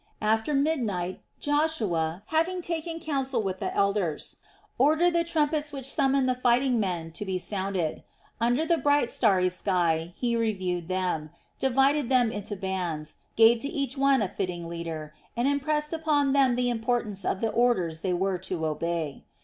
After midnight Joshua, having taken counsel with the elders, ordered the trumpets which summoned the fighting men to be sounded. Under the bright starry sky he reviewed them, divided them into bands, gave to each a fitting leader, and impressed upon them the importance of the orders they were to obey.